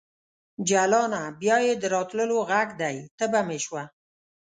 جلانه ! بیا یې د راتللو غږ دی تبه مې شوه